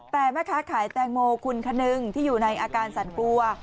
แต่แม่ค้าขายแตงโมคุณคนนึงที่อยู่ในอาการสั่นกลัว